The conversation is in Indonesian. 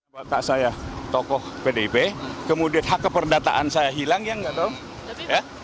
bapak saya tokoh pdip kemudian hak keperdataan saya hilang ya enggak tahu